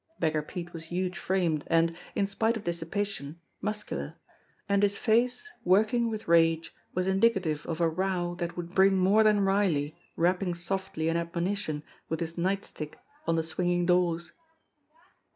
Beggar Pete was huge framed and, in spite of dissipation, muscular, and his face, working with rage, was indicative of a row that would bring more than Riley rapping softly in admonition with his night stick on the swinging doors.